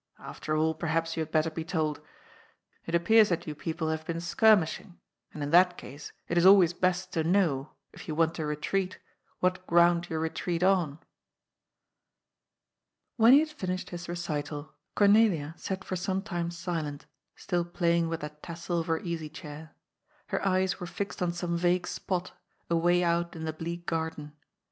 " After all, per haps you had better be told. It appears that you people have been skirmishing, and in that case it is always best to know, if you want to retreat, what ground you retreat on." When he had finished his recital, Cornelia sat for some time silent, still playing with that tassel of her easy chair. Her eyes were fixed on some vague spot, away out in the bleak garden.